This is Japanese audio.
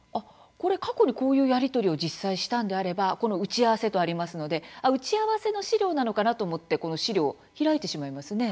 これ過去にこういうやり取りを実際したんであればこの「打ち合わせ」とありますので打ち合わせの資料なのかなと思ってこの資料開いてしまいますね。